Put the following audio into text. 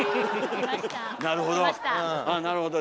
なるほど！